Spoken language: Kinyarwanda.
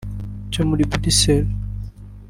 cyo muri Bresil